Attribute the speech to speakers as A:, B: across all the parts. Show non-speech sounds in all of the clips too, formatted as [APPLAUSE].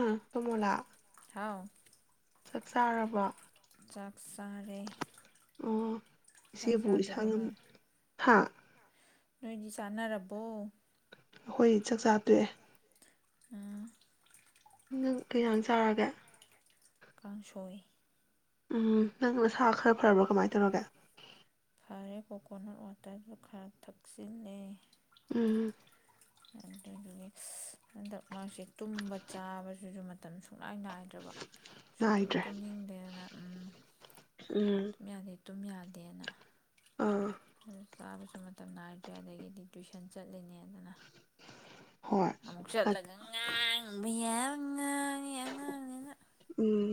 A: ꯑ ꯇꯣ ꯃꯣꯥꯂꯥ
B: ꯍꯥꯎ
A: ꯆꯥꯛ ꯆꯥꯔꯕꯣ
B: ꯆꯥꯛ ꯆꯥꯔꯦ
A: ꯑꯣ
B: ꯆꯥꯛ
A: ꯏꯆꯦꯕꯨ ꯏꯁꯥ
B: ꯆꯥꯗ꯭ꯔꯤꯕꯣ
A: ꯉꯝ
B: ꯅꯣꯏ
A: ꯑꯥ
B: ꯅꯣꯏꯗꯤ ꯆꯥꯟꯅꯔꯕꯣ
A: ꯑꯩꯈꯣꯏ ꯆꯥꯛꯆꯥ ꯇꯣꯛꯑꯦ
B: ꯑ
A: ꯅꯪ ꯀꯩꯖꯥꯡ ꯆꯥꯔꯒꯦ
B: ꯀꯥꯡꯁꯣꯏ
A: ꯎꯝ ꯅꯪ ꯅꯁꯥ ꯈꯔ ꯐꯔꯕ꯭ꯔꯣ ꯀꯃꯥꯏ ꯇꯧꯔꯒꯦ
B: ꯐꯔꯦ ꯀꯣꯀꯣꯅꯠ ꯋꯥꯇꯔꯗꯨ ꯈꯔ ꯊꯛꯆꯤꯜꯂꯦ
A: ꯎꯝ
B: ꯑꯗꯨꯗꯨꯒꯤ ꯁ ꯍꯟꯗꯛ ꯃꯥꯔꯛꯁꯦ ꯇꯨꯝꯕ ꯆꯥꯕꯖꯤꯖꯨ ꯃꯇꯝ ꯁꯨ ꯁꯨꯡꯅꯥꯏ ꯅꯥꯏꯗ꯭ꯔꯕ ꯁꯨꯡ ꯇꯨꯝ
A: ꯅꯥꯏꯗ꯭ꯔꯦ
B: ꯇꯨꯝꯅꯤꯡꯗꯦꯅ ꯎꯝ
A: ꯎꯝ
B: ꯇꯨꯝ ꯌꯥꯗꯦ ꯇꯨꯝ ꯌꯥꯗꯦꯅ
A: ꯑꯥ
B: ꯑꯗꯨ ꯆꯥꯕꯖꯨ ꯃꯇꯝ ꯅꯥꯏꯗ꯭ꯔꯦ ꯑꯗꯒꯤꯗꯤ ꯇꯨꯏꯁꯟ ꯆꯠꯂꯤꯅꯦꯗꯅ
A: ꯍꯣꯏ
B: ꯑꯃꯨꯛ ꯆꯠꯂꯒ ꯉꯥꯡ ꯕ ꯌꯥꯔ ꯉꯥ
A: ꯎꯝ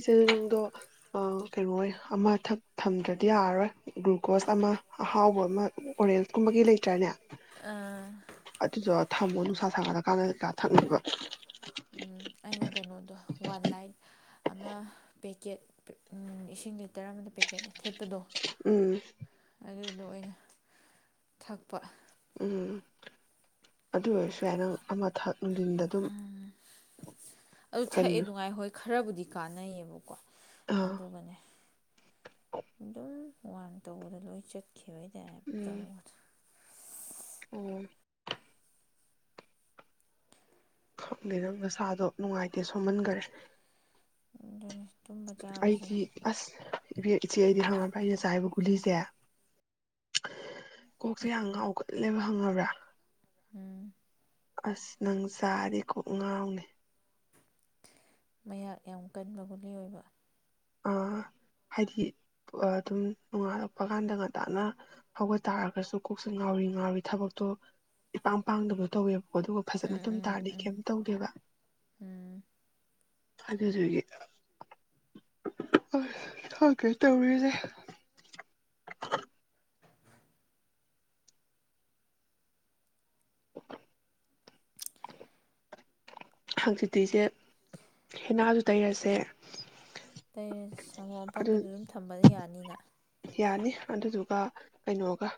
A: ꯏꯆꯦꯖꯤꯡꯗꯣ ꯑ ꯀꯩꯅꯣꯏ ꯑꯃꯊꯛ ꯊꯝꯗ꯭ꯔꯗꯤ ꯌꯥꯔꯔꯣꯏ ꯒ꯭ꯂꯨꯀꯣꯖ ꯑꯃ ꯑꯍꯥꯎꯕ ꯑꯃ ꯑꯣꯔꯦꯟꯁꯀꯨꯝꯕꯒꯤ ꯂꯩꯇ꯭ꯔꯅꯦ
B: ꯑꯥ
A: ꯑꯇꯨ ꯖꯣ ꯊꯃꯣ ꯅꯨꯡꯁꯥ ꯁꯥꯒꯠꯂꯀꯥꯟꯗ ꯀꯥ ꯊꯛꯅꯕ
B: ꯑꯩꯅ ꯀꯩꯅꯣꯗꯣ ꯋꯥꯟ ꯂꯥꯏꯠ ꯑꯃ ꯄꯦꯛꯀꯦꯠ ꯎꯝ ꯏꯁꯤꯡ ꯂꯤꯇꯔ ꯑꯃꯗ ꯄꯦꯛꯀꯦꯠ ꯊꯤꯠꯄꯗꯣ
A: ꯎꯝ
B: ꯑꯗꯨꯗꯣ ꯑꯣꯏꯅ ꯊꯛꯄ
A: ꯎꯝ ꯑꯗꯨ ꯑꯣꯏꯔꯁꯨ ꯌꯥꯏ ꯅꯪ ꯑꯃ ꯊꯛ ꯅꯨꯡꯊꯤꯟꯗ ꯑꯗꯨꯝ
B: ꯑ ꯑꯗꯨ
A: ꯀꯩꯅꯣ
B: ꯊꯛꯑꯦꯗꯨ ꯉꯥꯏ ꯍꯣꯏ ꯈꯔꯕꯨꯗꯤ ꯀꯥꯟꯅꯩꯌꯦꯕ
A: ꯑꯥ
B: ꯑꯗꯨꯒꯅꯦ ꯑꯗꯨꯝ ꯋꯥꯟ ꯇꯧꯕꯗ ꯂꯣꯏ ꯆꯠ ꯈꯤꯕꯩ ꯇꯥꯏꯞ ꯇꯧꯕꯗꯣ
A: ꯎꯝ ꯈꯪꯅꯤꯅ ꯅꯁꯥꯗꯣ ꯅꯨꯡꯉꯥꯏꯇꯦ ꯁꯣꯝꯍꯟꯈꯔꯦ
B: ꯑꯗꯨꯅꯤ ꯇꯨꯝꯕ ꯆꯥꯕꯁꯦ
A: ꯑꯩꯒꯤ ꯑꯁ ꯏꯕ ꯏꯆꯦ ꯑꯩꯗꯤ ꯍꯪꯉꯕ꯭ꯔꯥ ꯑꯩꯅ ꯆꯥꯕ ꯒꯨꯂꯤꯁꯦ ꯀꯣꯛꯁꯦ ꯌꯥꯝ ꯉꯥꯎꯒꯠꯂꯦꯕ ꯍꯪꯉꯕ꯭ꯔꯥ
B: ꯎꯝ
A: ꯑꯁ ꯅꯪ ꯆꯥꯔꯤ ꯀꯣꯛ ꯉꯥꯎꯅꯤ
B: ꯃꯍꯥꯛ ꯌꯥꯝ ꯀꯟꯕ ꯒꯨꯜꯂꯤ ꯑꯣꯏꯕ
A: ꯍꯥꯏꯗꯤ ꯑꯗꯨꯝ ꯅꯣꯡꯉꯥꯜꯂꯛꯄ ꯀꯥꯟꯗ ꯉꯟꯇꯥꯅ ꯍꯧꯒꯠ ꯇꯥꯔꯒꯁꯨ ꯀꯣꯛꯁ ꯉꯥꯎꯔꯤ ꯉꯥꯎꯔꯤ ꯊꯕꯛꯇꯣ ꯏꯄꯥꯡ ꯄꯥꯡꯗꯕꯗꯣ ꯇꯧꯋꯦꯕ ꯑꯣ ꯑꯗꯨꯒ ꯐꯖꯅ
B: ꯎꯝ
A: ꯑꯗꯨꯨꯝ
B: ꯎꯝ
A: ꯇꯥꯔꯗꯤ
B: ꯎꯝ
A: ꯀꯩꯝ ꯇꯧꯒꯦꯕ
B: ꯎꯝ
A: ꯑꯗꯨꯗ ꯑꯗꯨꯒꯦ ꯀꯩ ꯇꯧꯔꯤꯁꯦ [INAUDIBLE] ꯍꯪꯆꯤꯠꯇꯤꯤꯁꯦ ꯍꯦꯅꯥꯖ ꯇꯩꯔꯁꯦ
B: ꯑ ꯁꯪꯒꯣꯝ
A: ꯑꯗꯨ
B: ꯑꯐꯝꯝꯕꯗꯨ ꯑꯗꯨꯝ ꯊꯝꯕꯅ ꯌꯥꯅꯤ ꯑꯅꯤꯅ
A: ꯌꯥꯅꯤ ꯑꯗꯨꯗꯨꯒ ꯀꯩꯅꯣꯒ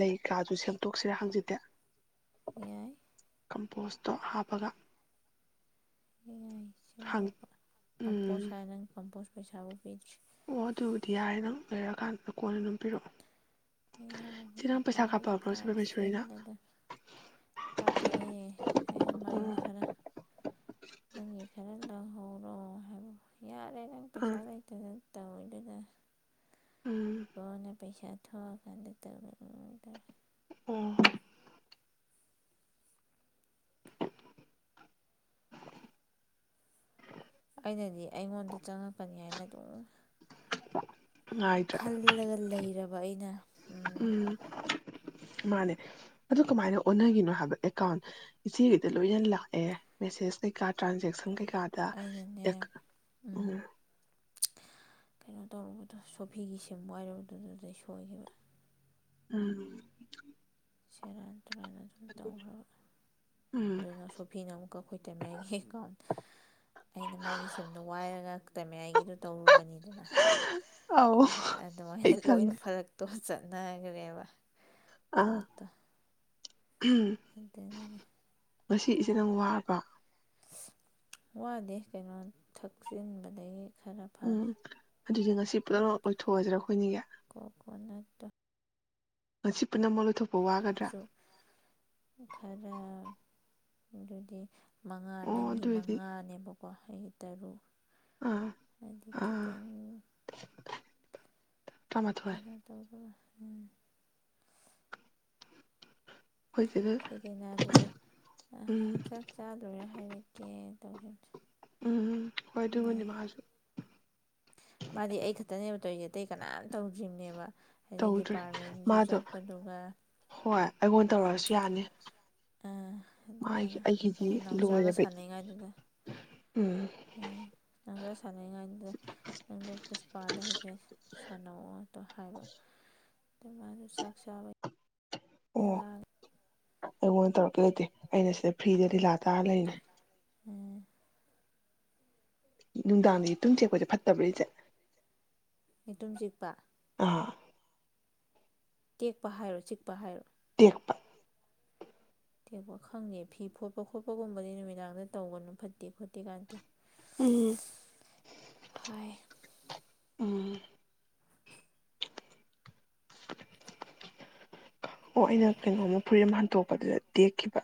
A: ꯂꯩ ꯀꯥꯗꯨ ꯁꯦꯝꯗꯣꯛꯁꯤꯔꯦ ꯍꯪꯖꯗꯦ
B: ꯑꯦꯌꯥꯏ
A: ꯀꯝꯄꯣꯁꯇꯣ ꯍꯥꯞꯄꯒ
B: ꯉꯥꯏ
A: ꯍꯪ
B: ꯁꯦꯝꯗꯣꯛꯄ ꯀꯝꯄꯣꯁ
A: ꯎꯝ
B: ꯍꯥꯏꯔ ꯅꯪ ꯀꯝꯄꯣꯁ ꯄꯩꯁꯥꯕꯨ ꯄꯤ
A: ꯑꯣ ꯑꯗꯨꯕꯨꯗꯤ ꯌꯥꯔꯦ ꯅꯪ ꯂꯩꯔꯛꯑꯀꯥꯟꯗ ꯀꯣꯟꯜ ꯑꯗꯨꯝ ꯄꯤꯔꯛꯑꯣ
B: ꯌꯥꯕ
A: ꯆꯦ ꯅꯪ ꯄꯩꯁꯥ
B: ꯑꯦꯀꯥꯎꯒꯤ
A: ꯀꯥꯞꯄꯛꯑꯕ꯭ꯔꯣ ꯁꯤ ꯄꯔꯃꯦꯁꯣꯔꯤꯅ
B: ꯀꯥꯞꯁꯤꯗ ꯀꯥꯞꯄꯑꯦ ꯑꯩꯅ ꯃꯥꯒꯤ
A: ꯑꯣ
B: ꯈꯔ ꯅꯪꯒꯤ ꯈꯔ ꯍꯔꯣ ꯍꯥꯏꯕ ꯍ ꯑꯗꯨꯔꯪ
A: ꯑꯥ
B: ꯄꯩꯁꯥ ꯂꯩꯇꯅ ꯇ ꯑꯣꯏꯗꯨꯗ
A: ꯎꯝ
B: ꯀꯅ ꯄꯩꯁꯥꯗ ꯊꯧꯀꯥꯟ ꯂꯤ ꯇꯔ ꯃꯤꯦ
A: ꯑꯣ
B: ꯑꯩꯅꯗꯤ ꯑꯩꯉꯣꯟꯗ ꯆꯪꯉꯛꯄꯅꯤ ꯍꯥꯏꯅ ꯑꯗꯨꯝ
A: ꯉꯥꯏꯗ꯭ꯔꯥ
B: ꯈꯜꯂꯒ ꯂꯩꯔꯕ ꯑꯩꯅ ꯎ
A: ꯎꯝ ꯃꯥꯅꯦ ꯑꯗꯨ ꯀꯃꯥꯏꯅ ꯑꯣꯟꯅꯈꯤꯅꯣ ꯍꯥꯏꯕ ꯑꯦꯀꯥꯎꯟ ꯏꯆꯦꯒꯤꯗ ꯂꯣꯏꯅ ꯂꯥꯛꯑꯦ ꯃꯦꯁꯦꯁ ꯀꯩꯀꯥ ꯇ꯭ꯔꯥꯟꯖꯦꯛꯁꯟ ꯀꯩꯀꯥ ꯌꯥꯥꯗꯥ
B: ꯑꯩꯅꯅꯦ
A: ꯏ ꯎꯝ
B: ꯀꯩꯅꯣ ꯇꯧꯔꯨꯕꯗꯣ ꯁꯣꯐꯤꯒꯤ ꯁꯤꯝ ꯋꯥꯏꯔꯨꯕꯗꯨꯗꯨꯗꯩ ꯁꯣꯏꯈꯤꯕ
A: ꯎꯝ
B: ꯁꯔꯥ ꯑꯗꯨꯃꯥꯏꯅ ꯑꯗꯨꯅ ꯇꯧꯈ꯭ꯔꯕ
A: ꯎꯝ
B: ꯑꯗꯨꯅ ꯁꯣꯐꯤꯅ ꯑꯃꯨꯛꯀ ꯑꯩꯈꯣꯏ ꯇꯃꯦꯌꯥꯏꯒꯤ ꯑꯦꯀꯥꯎꯟ ꯑꯩꯅ ꯃꯥꯒꯤ ꯁꯤꯝꯗꯣ ꯋꯥꯏꯔꯒ ꯇꯃꯦꯌꯥꯏꯒꯤꯗꯣ ꯇꯧꯔꯨꯕꯅꯤꯗꯅ
A: ꯑꯧ ꯑꯩ
B: ꯑꯗꯨꯃꯥꯏꯅ ꯂꯣꯏꯅ
A: ꯈꯪꯉꯦ
B: ꯐꯔꯛꯇꯣ ꯆꯅꯥꯒꯔꯦꯕ
A: ꯑꯥ
B: ꯑꯗꯨꯗꯦꯅꯦꯅꯤ
A: ꯉꯁꯤ ꯏꯆꯦ ꯅꯪ ꯋꯥꯕꯔꯣ
B: ꯋꯥꯗꯦ ꯀꯩꯅꯣ ꯊꯛꯆꯤꯟꯕꯗꯒꯤ ꯈꯔ ꯐꯔꯦ
A: ꯎꯝ ꯑꯗꯨꯗꯤ ꯉꯁꯤ
B: ꯀꯩꯅꯣ
A: ꯄꯨꯂꯃꯛ ꯂꯣꯏꯊꯣꯛꯑꯁꯤꯔꯥ ꯑꯩꯈꯣꯏꯅꯤꯒꯤ
B: ꯠꯇ
A: ꯉꯁꯤ ꯄꯨꯟꯅ ꯑꯃꯣꯂ ꯊꯣꯛ
B: ꯑꯁꯨ ꯈꯔ ꯑꯗꯨꯗꯤ ꯃꯉꯥ
A: ꯑꯣ
B: ꯅꯪꯒꯤ
A: ꯑꯗꯨꯑꯣꯏꯗꯤ
B: ꯃꯉꯥꯅꯦꯕ ꯋꯥꯍꯩ ꯇꯔꯨꯛ
A: ꯑꯥ ꯑꯥ
B: ꯑꯗꯨꯈꯤꯇꯪ
A: ꯇꯔꯥꯃꯥꯊꯣꯏ
B: ꯀꯩꯅꯣ ꯇꯧꯕꯔ
A: ꯑꯩꯈꯣꯏꯁꯤꯗ
B: ꯁꯤꯒꯤꯅ ꯑꯗꯨꯁꯨ
A: ꯎꯝ
B: ꯆꯥꯛ ꯆꯥ ꯂꯣꯏꯔ ꯍꯥꯏꯔꯛꯀꯦ ꯇꯧꯈꯤꯕ
A: ꯎꯝ ꯍꯣꯏ ꯑꯗꯨꯕꯨꯗꯤ
B: ꯃꯥꯒꯤ
A: ꯃꯥꯁꯨ
B: ꯃꯥꯗꯤ ꯑꯩ ꯈꯛꯇꯅꯦꯕ ꯇꯧꯔꯤꯁꯦ ꯑꯇꯩ ꯀꯅꯥꯝ ꯇꯧꯗ꯭ꯔꯤꯕꯅꯦꯕ ꯍꯥꯏꯗꯤ
A: ꯇꯧꯗ꯭ꯔꯤ
B: ꯗꯤꯄꯥꯔꯠꯃꯦꯟꯁꯨ
A: ꯃꯥꯗꯣ
B: ꯆꯠꯄꯗꯨꯒ
A: ꯍꯣꯏ ꯑꯩꯉꯣꯟ ꯇꯧꯔꯛꯑꯁꯨ ꯌꯥꯅꯤ
B: ꯑꯥ
A: ꯃꯥ
B: ꯑꯗꯨꯃꯥꯏꯅ
A: ꯑꯩꯒꯤꯗꯤ
B: ꯑꯩꯅ ꯅꯥꯎꯆꯥꯒ
A: ꯂꯣꯏꯔꯦꯕ
B: ꯁꯥꯟꯅꯩꯉꯥꯏꯗꯨꯗ
A: ꯎꯝ
B: ꯁꯥꯟꯅꯔꯤꯉꯥꯏꯗꯨꯗ ꯅꯪꯗꯣ ꯄꯨꯁꯄꯥꯗ ꯍꯥꯏꯐꯦꯠ ꯁꯥꯅꯧꯅ ꯍꯥꯏꯕ ꯑꯗꯨꯗꯩ ꯃꯥꯁꯨ ꯆꯥꯛ ꯆꯥꯕ
A: ꯑꯣ
B: ꯂꯥꯡ
A: ꯑꯩꯉꯣꯟꯗ ꯇꯧꯔꯛꯀꯦ ꯂꯩꯇꯦ ꯑꯩꯅ ꯁꯤꯗ ꯐ꯭ꯔꯤꯗ ꯂꯤꯂꯥ ꯇꯥꯔ ꯂꯩꯅꯤ
B: ꯎꯝ
A: ꯅꯨꯡꯗꯥꯡꯗꯒꯤ ꯇꯨꯡꯁꯦ ꯑꯩꯈꯣꯏꯁꯦ ꯐꯠꯇꯕꯔꯤꯁꯦ
B: ꯌꯦꯇꯨꯝ ꯆꯤꯛꯄ
A: ꯑꯥ
B: ꯇꯦꯛꯄ ꯍꯥꯏꯔꯣ ꯆꯤꯛꯄ ꯍꯥꯏꯔꯣ
A: ꯇꯦꯛꯄ
B: ꯇꯦꯛꯄ ꯈꯪꯗꯦ ꯐꯤ ꯐꯣꯠꯄ ꯈꯣꯠꯄꯒꯨꯝꯕꯗꯤ ꯅꯨꯃꯤꯗꯥꯡꯗ ꯇꯧꯒꯅꯨ ꯐꯠꯇꯦ ꯈꯣꯠꯇꯦ ꯀꯥꯟꯇꯦ
A: ꯎꯝ
B: ꯍꯥꯏ
A: ꯎꯝ ꯑꯣ ꯑꯩꯅ ꯀꯩꯅꯣꯃ ꯐꯨꯔꯤꯠ ꯑꯃ ꯍꯟꯗꯣꯛꯄꯗꯨꯗ ꯇꯦꯛꯈꯤꯕ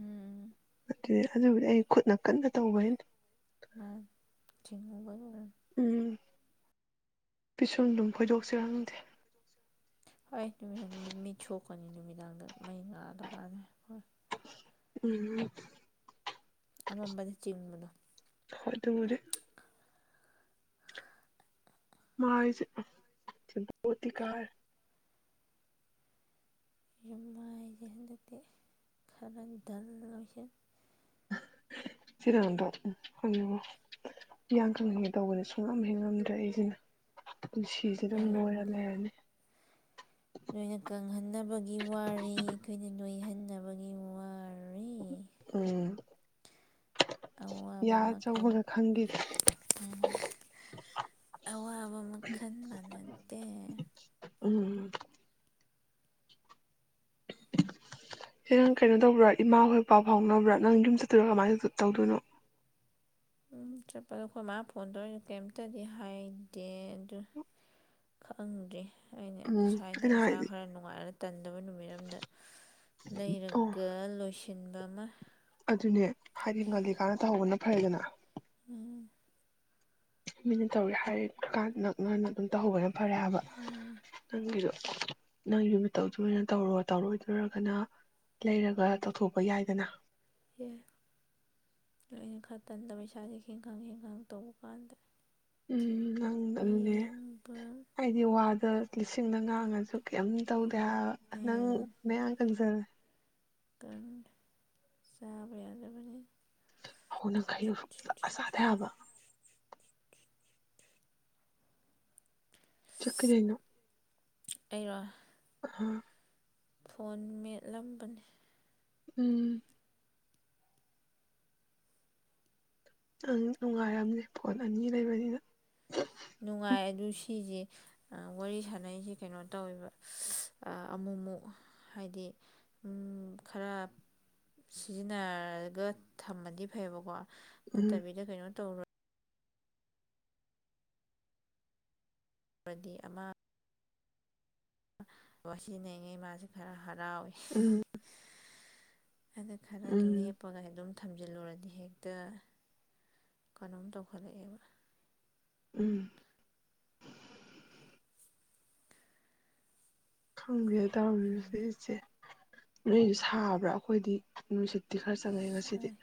B: ꯎꯝ
A: ꯑꯗꯨ ꯑꯗꯨꯕꯨꯗꯤ ꯑꯩ ꯈꯨꯠꯅ ꯀꯟꯅ ꯇꯧꯕꯩꯅꯤ
B: ꯃꯥ ꯆꯤꯡꯉꯒ
A: ꯄꯤꯁꯨꯝꯗꯨꯝ ꯈꯣꯏꯗꯣꯛꯁꯤꯔ ꯈꯪꯗꯦ
B: ꯍꯣꯏ ꯅꯨ ꯅꯨꯃꯤꯠ ꯃꯤ ꯊꯣꯛꯣꯛꯀꯅꯤ ꯅꯨꯃꯤꯗꯥꯡꯗ ꯃꯩ ꯉꯥꯜꯂꯀꯥꯟꯗ ꯍꯣꯏ
A: ꯎꯝ
B: ꯑꯃꯝꯕꯅ ꯆꯤꯡꯕꯅꯣ
A: ꯍꯣꯏꯗꯨꯕꯨꯗꯤ ꯃꯥꯏꯁꯦ ꯁꯦꯝꯀꯣꯠꯇꯤꯀꯔꯅꯤ
B: ꯌꯨꯝ ꯃꯥꯏꯗꯤ ꯍꯟꯗꯛꯇꯤ ꯈꯔ ꯗꯜ ꯂꯣꯏꯁꯤꯡ
A: ꯆꯦꯅꯥꯎꯗꯣ ꯎ ꯌꯥꯡ ꯀꯪ ꯍꯟꯉꯦ ꯇꯧꯕꯅꯤ ꯁꯨꯡꯉꯝ ꯍꯦꯉꯝꯗ꯭ꯔꯦ ꯑꯩꯁꯤꯅ ꯄꯨꯟꯁꯤꯁꯦ ꯑꯗꯨꯝ
B: ꯅꯣꯏꯅ
A: ꯅꯣꯏꯔ ꯂꯩꯔꯅꯤ
B: ꯅꯣꯏꯅ ꯀꯪꯍꯟꯅꯕꯒꯤ ꯋꯥꯔꯤ ꯑꯩꯈꯣꯏꯅ ꯅꯣꯏꯍꯟꯅꯕꯒꯤ ꯋꯥꯔꯤ
A: ꯎꯝ
B: ꯑꯋꯥꯕ
A: ꯌꯥ
B: ꯃꯈꯜ
A: ꯑꯆꯧꯕꯒ ꯈꯪꯗꯦꯗ
B: ꯑꯋꯥꯕ ꯃꯈꯜ ꯃꯥꯟꯅꯗꯦ
A: ꯎꯝ ꯍ ꯅꯪ ꯀꯩꯅꯣ ꯇꯧꯕ꯭ꯔꯥ ꯏꯃꯥ ꯍꯣꯏ ꯄꯥꯎ ꯐꯥꯎꯅꯕ꯭ꯔꯥ ꯅꯪ ꯌꯨꯝ ꯆꯠꯇꯣꯔ ꯀꯃꯥꯏꯅ ꯇꯧꯗꯣꯏꯅꯣ
B: ꯎꯝ ꯆꯠꯄꯗꯣ ꯑꯩꯈꯣꯏ ꯃꯥ ꯐꯣꯟ ꯇꯧꯔꯤꯁ ꯀꯔꯤꯝꯇꯗꯤ ꯍꯥꯏꯗꯦ ꯑꯗꯨ ꯈꯪꯗ꯭ꯔꯤ ꯑꯩꯅ
A: ꯎꯝ
B: ꯁ꯭ꯋꯥꯏꯗ
A: ꯑꯩꯅ
B: ꯏꯁꯥ
A: ꯍꯥꯏꯗꯤ
B: ꯈꯔ ꯅꯨꯡꯉꯥꯏꯔ ꯇꯟꯗꯕ ꯅꯨꯃꯤꯠ ꯑꯃꯗ
A: ꯑꯣ
B: ꯂꯩꯔꯒ ꯂꯣꯏꯁꯤꯟ ꯊꯤꯟꯕ ꯑꯃ
A: ꯑꯗꯨꯅꯦ ꯍꯥꯏꯗꯤ ꯉꯜꯂꯤꯀꯥꯟꯅ ꯇꯧꯍꯧꯕꯅ ꯐꯔꯦꯗꯅ
B: ꯎꯝ
A: ꯃꯤꯅ ꯇꯧꯔꯦ ꯍꯥꯏꯔꯤꯀꯥꯟ ꯅꯛꯅꯅ ꯑꯗꯨꯝ ꯇꯧꯍꯧꯕꯅ ꯐꯔꯦ ꯍꯥꯏꯕ
B: ꯎꯝ
A: ꯅꯪꯒꯤꯗꯣ ꯅꯪ ꯌꯨꯃꯤꯠꯇꯧꯗꯣꯏꯅ ꯇꯧꯍꯧꯔꯣ ꯇꯧꯔꯣꯏꯗ꯭ꯔꯥꯒꯅ ꯂꯩꯔꯒ ꯇꯧꯊꯣꯛꯄ ꯌꯥꯏꯗꯅ
B: ꯑꯦ ꯅꯣꯏꯅ ꯈꯔꯛꯇꯟꯗ ꯏꯁꯥꯁꯦ ꯈꯦꯡꯈꯥꯡ ꯈꯦꯡꯈꯥꯡ ꯇꯧꯕ ꯀꯥꯟꯗ
A: ꯎꯝ ꯅꯪ ꯑꯗꯨꯅꯦ
B: ꯌꯦꯡꯕ
A: ꯑꯩꯗꯤ ꯋꯥꯗ ꯂꯤꯁꯤꯡꯗ ꯉꯥꯡꯉꯁꯨ ꯀꯩꯝ ꯇꯧ ꯗꯦꯕ ꯅꯪ ꯃꯌꯥꯡ ꯀꯪꯖꯜꯂꯦ
B: ꯀꯟ ꯆꯥꯕ ꯌꯥꯗꯕꯅꯤꯅꯦ
A: ꯍꯧꯅ ꯈꯩꯩꯌꯨ ꯁꯨꯛꯆꯥ ꯆꯥꯗꯦ ꯍꯥꯏꯕ ꯆꯠꯀꯅꯤꯅ
B: ꯑꯩꯔꯣ
A: ꯍꯥ
B: ꯐꯣꯟ ꯃꯦꯠꯂꯝꯕꯅꯤ
A: ꯎꯝ ꯅꯪ ꯅꯨꯡꯉꯥꯏꯔꯝꯅꯤ ꯐꯣꯟ ꯑꯅꯤ ꯂꯩꯕꯅꯤꯅ
B: ꯅꯨꯡꯉꯥꯏ ꯑꯗꯨ ꯁꯤꯖꯦ ꯋꯥꯔꯤ ꯁꯥꯟꯅꯩꯁꯦ ꯀꯩꯅꯣ ꯇꯧꯋꯦꯕ ꯑꯃꯨꯛ ꯑꯃꯨꯛ ꯍꯥꯏꯗꯤ ꯎꯝ ꯈꯔ ꯁꯤꯖꯤꯟꯅꯔꯒ ꯊꯝꯃꯗꯤ ꯐꯩꯌꯦꯕꯀꯣ
A: ꯎꯝ
B: ꯅꯠꯇꯕꯤꯗ ꯀꯩꯅꯣ ꯇꯧꯔ ꯕꯗꯤ ꯑꯃ ꯋꯥꯁꯤ ꯅꯩꯉꯤ ꯃꯥꯁꯦ ꯈꯔ ꯍꯔꯥꯎ ꯋꯤ
A: ꯎꯝ
B: ꯑꯗꯨ ꯈꯔ
A: ꯎꯝ
B: ꯂꯦꯞꯄꯒ ꯑꯗꯨꯝ ꯊꯝꯖꯤꯜꯂꯨꯔꯗꯤ ꯍꯦꯛꯇ ꯀꯩꯅꯣꯝ ꯇꯧꯈꯠꯂꯛꯑꯦꯕ
A: ꯎꯝ [UNINTELLIGIBLE]
B: ꯏꯪꯅ
A: ꯇꯁꯦ [UNINTELLIGIBLE] ꯅꯣꯏꯁꯨ ꯁꯥꯕ꯭ꯔꯥ ꯑꯩꯈꯣꯏꯗꯤ ꯅꯨꯡꯁꯤꯠꯇꯤ ꯈꯔ ꯆꯠ ꯆꯪꯉꯦ ꯉꯁꯤꯗꯤ
B: ꯁꯥꯏ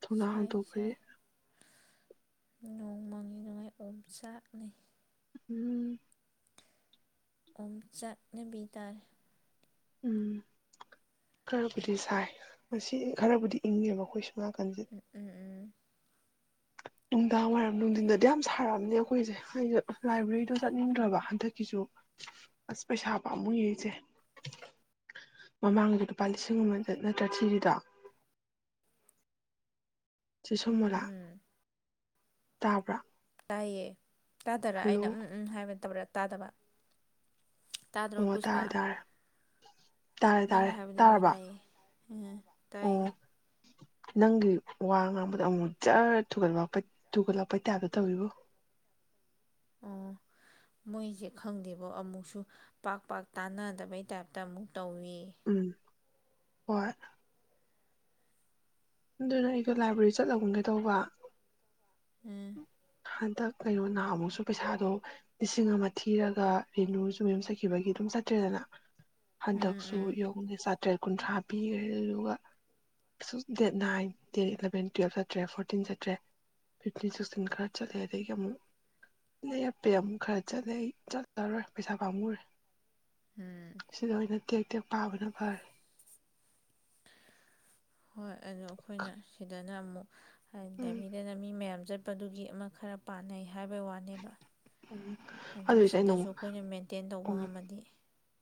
A: ꯊꯣꯡꯅꯥꯎ ꯍꯥꯡꯗꯣꯛꯄꯒꯤ
B: ꯅꯣꯡꯃꯥꯡꯉꯤꯗꯨ ꯉꯥꯏ ꯑꯣꯝ ꯆꯥꯛꯅꯤ
A: ꯎꯝ
B: ꯑꯣꯝꯆꯠꯅꯕꯤ ꯇꯥꯔꯦ
A: ꯎꯝ ꯈꯔꯕꯨꯗꯤ ꯁꯥꯏ ꯃꯁꯤ ꯈꯔꯕꯨꯗꯤ ꯏꯪꯉꯦꯕ ꯑꯩꯈꯣꯏꯁꯨ ꯉ ꯀꯟꯖꯦ
B: ꯎꯝ ꯎꯝ ꯎꯝ
A: ꯅꯨꯡꯗꯥꯡ ꯋꯥꯏꯔꯝ ꯅꯨꯡꯊꯤꯟꯗꯗꯤ ꯌꯥꯝ ꯁꯥꯔꯛꯑꯕꯅꯦ ꯑꯩꯈꯣꯏꯁꯦ ꯑꯩꯁ ꯂꯥꯏꯕ꯭ꯔꯦꯔꯤꯗꯣ ꯆꯠꯅꯤꯡꯗ꯭ꯔꯕ ꯍꯟꯗꯛꯀꯤꯁꯨ ꯑꯁ ꯄꯩꯁꯥ ꯄꯝꯃꯨꯏ ꯏꯆꯦ ꯃꯃꯥꯡꯒꯤꯗ ꯂꯨꯄꯥ ꯂꯤꯁꯤꯡ ꯑꯃ ꯅꯠꯇ꯭ꯔꯥ ꯊꯤꯔꯤꯗꯣ ꯆꯦ ꯁꯃꯣꯂꯥ
B: ꯎꯝ
A: ꯇꯥꯕ꯭ꯔ
B: ꯇꯥꯏꯌꯦ ꯇꯥꯗꯔ ꯑꯩꯅ ꯎꯝ ꯎꯝ ꯍꯥꯏꯕ ꯇꯧꯔꯛ ꯇꯥꯗꯕ ꯇꯥꯗ꯭ꯔꯣ
A: ꯑꯣ
B: ꯄꯨꯁꯄꯥ
A: ꯇꯥꯔꯦ ꯇꯥꯔꯦ ꯇꯥꯔꯦ
B: ꯅꯪ
A: ꯇꯥꯔꯦ
B: ꯍꯥꯏꯕꯗꯤ ꯂꯣꯏ
A: ꯇꯥꯔꯕ
B: ꯇꯥꯏꯌꯦ ꯇꯥꯏ
A: ꯑꯣ ꯅꯪꯒꯤ ꯋꯥ ꯉꯥꯡꯕꯗ ꯑꯃꯨꯛ ꯃꯨꯛ ꯖꯔ ꯊꯨꯒꯠꯋꯥꯄꯠ ꯊꯨꯒꯠꯂꯛꯄꯩ ꯇꯥꯏꯞꯇ ꯇꯧꯋꯤꯕꯨ
B: ꯑꯣ ꯃꯣꯏꯁꯦ ꯈꯪꯗꯦꯕꯣ ꯑꯃꯨꯛꯁꯨ ꯄꯥꯛ ꯄꯥꯛ ꯇꯥꯅꯗꯕꯩ ꯇꯥꯏꯞꯇ ꯑꯃꯨꯛ ꯇꯧꯏ
A: ꯎꯝ ꯍꯣꯏ ꯑꯗꯨꯅ ꯑꯩꯗꯣ ꯂꯥꯏꯕ꯭ꯔꯦꯔꯤ ꯆꯠꯂꯒꯨꯝꯒꯩ ꯇꯧꯕ
B: ꯑꯝ
A: ꯍꯟꯗꯛ ꯀꯩꯅꯣ ꯅꯍꯥꯃꯨꯛꯁꯨ ꯄꯩꯁꯥꯗꯣ ꯂꯤꯁꯤꯡ ꯑꯃ ꯊꯤꯔꯒ ꯔꯦꯅꯨꯁꯨ ꯃꯦꯝꯖꯠꯈꯤꯕꯒꯤ ꯑꯗꯨꯝ ꯆꯠꯇ꯭ꯔꯦꯗꯅ
B: ꯎꯝ
A: ꯍꯟꯗꯛꯁꯨ
B: ꯎꯝ
A: [UNINTELLIGIBLE] ꯇꯔꯦꯠ ꯀꯨꯟꯊ꯭ꯔꯥ ꯄꯤꯈ꯭ꯔꯦꯗꯨꯒ date nine date eleven twelve ꯆꯠꯇ꯭ꯔꯦ ꯐꯣꯔꯇꯤꯟ ꯆꯠꯇ꯭ꯔꯦ ꯐꯤꯞꯇꯤꯟ ꯁꯤꯛꯁꯇꯤꯟ ꯈꯔ ꯆꯠꯂꯦ ꯑꯗꯒꯤ ꯑꯃꯨꯛ ꯂꯩꯔꯞꯄꯦ ꯑꯃꯨꯛ ꯈꯔ ꯆꯠꯂꯦ ꯑꯩ ꯆꯠ ꯆꯔꯣꯏ ꯄꯩꯁꯥ ꯄꯥꯝꯉꯨꯔꯦ
B: ꯎꯝ
A: ꯁꯤꯗ ꯍ ꯊꯦ ꯀꯛꯇ ꯄꯥꯕꯅ ꯐꯔꯦ
B: ꯍꯣꯏ ꯑꯣ ꯑꯩꯈꯣꯏꯅ ꯁꯤꯗ ꯅꯃꯣ
A: ꯎꯝ
B: ꯂꯩꯕꯤꯗꯅ ꯃꯤ ꯃꯌꯥꯝ ꯆꯠ ꯆꯠꯄꯗꯨꯒꯤ ꯑꯃ ꯈꯔ ꯄꯥꯅꯩ ꯍꯥꯏꯕꯩ ꯋꯥꯅꯦꯕ
A: ꯎꯝ
B: ꯑꯗꯩ
A: ꯑꯗꯨꯏꯁꯦ ꯑꯩꯅ
B: ꯁꯤꯗꯁꯨ
A: ꯑꯃꯨꯛ
B: ꯑꯩꯈꯣꯏꯅ ꯃꯦꯟꯇꯦꯟ ꯇꯧꯕ
A: ꯎ
B: ꯉꯝꯃꯗꯤ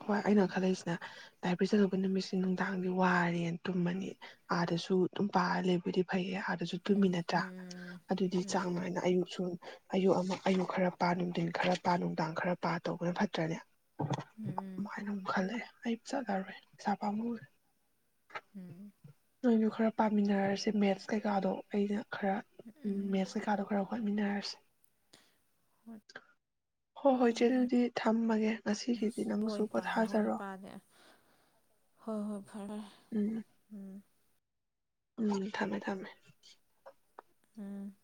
A: ꯍꯣꯏ ꯑꯩꯅ ꯈꯜꯂꯛꯏꯁꯤꯅꯦ ꯂꯥꯏꯕꯔꯤ ꯆꯠꯂꯨꯕ ꯅꯨꯃꯤꯠꯁꯤ ꯅꯨꯡꯗꯥꯡꯗꯤ ꯋꯥꯔꯦꯅ ꯇꯨꯝꯃꯅꯤ ꯑꯥꯗꯁꯨ ꯑꯗꯨꯝ ꯄꯥꯔ ꯂꯩꯕꯗꯤ ꯐꯩꯌꯦ ꯍꯥ ꯑꯗꯨꯖꯨ ꯇꯨꯃꯤ
B: ꯎꯝ
A: ꯅꯠꯇ꯭ꯔꯥ
B: ꯎꯝ
A: ꯑꯗꯨꯗꯤ ꯆꯥꯡ
B: ꯎꯝ
A: ꯅꯥꯏꯅ ꯑꯌꯨꯛꯁꯨ ꯑꯌꯨꯛ ꯑꯃ ꯑꯌꯨꯛ ꯈꯔ ꯄꯥ ꯅꯨꯡꯊꯤꯟ ꯈꯔ ꯄꯥ ꯅꯨꯡꯗꯥꯡ ꯈꯔ ꯄꯥ ꯇꯧꯕꯅ ꯐꯠꯇ꯭ꯔꯅꯦ
B: ꯎꯝ
A: ꯑꯗꯨꯃꯥꯏꯅ ꯑꯃꯨꯛ ꯈꯜꯂꯛꯑꯦ ꯆꯠꯂꯔꯣꯏ ꯄꯩꯁꯥ ꯄꯥꯃꯨꯔꯦ
B: ꯎꯝ
A: ꯅꯣꯏꯖꯨ ꯈꯔ ꯄꯥꯃꯤꯟꯅꯔꯖꯦ ꯃꯦꯠꯁ ꯀꯩꯀꯥꯗꯣ ꯑꯩꯅ ꯈꯔ ꯎꯝ ꯃꯦꯠꯁ ꯀꯩꯀꯥꯗꯣ ꯈꯔ ꯍꯣ ꯃꯤꯟꯅꯔꯁꯦ ꯍꯣꯏ ꯍꯣꯏ ꯆꯠꯂꯦ
B: ꯎꯝ
A: ꯑꯗꯤ ꯊꯝꯃꯒꯦ ꯉꯁꯤꯒꯤꯗꯤ ꯅꯪꯁꯨ
B: ꯍꯣꯏ ꯄꯥꯗ ꯍꯧꯅꯤ
A: ꯄꯣꯊꯥꯖꯔꯣ
B: ꯄꯥꯗꯦ ꯍꯣꯏ ꯍꯣꯏ ꯐꯔꯦ ꯐꯔꯦ
A: ꯎꯝ
B: ꯎꯝ
A: ꯎꯝ ꯊꯝꯃꯦ ꯊꯝꯃꯦ
B: ꯎꯝ